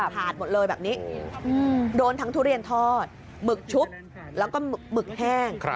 ถาดหมดเลยแบบนี้โดนทั้งทุเรียนทอดหมึกชุบแล้วก็หมึกแห้ง